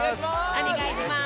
おねがいします。